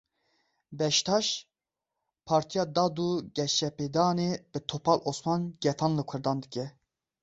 Beştaş, Partiya Dad û Geşepêdanê bi Topal Osman gefan li Kurdan dike.